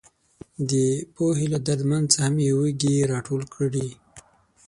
د پوهې له درمن څخه مې وږي راټول کړي.